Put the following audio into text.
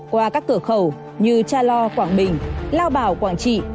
qua các cửa khẩu như cha lo quảng bình lao bảo quảng trị